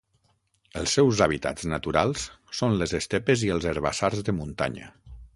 Els seus hàbitats naturals són les estepes i els herbassars de muntanya.